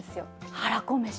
はらこ飯。